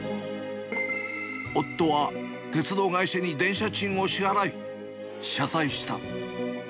夫は鉄道会社に電車賃を支払い、謝罪した。